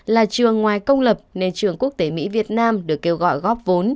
là trường ngoài công lập nên trường quốc tế mỹ việt nam được kêu gọi góp vốn